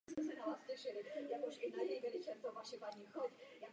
V mnoha členských státech by to představovalo ještě vyšší náklady.